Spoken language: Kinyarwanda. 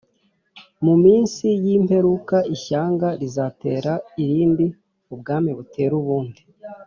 Mu minsi y’imperuka ishyanga rizatera irindi ubwami butere ubundi